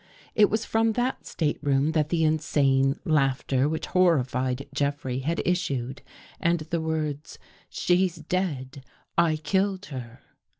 It was from that state room that the insane laughter which horrified Jeff rey had issued, and the words :" She's dead. I killed her."